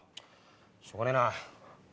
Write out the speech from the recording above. しょうがねえな。